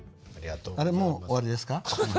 あれもう終わりですか？